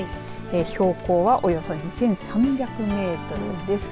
標高はおよそ２３００メートルです。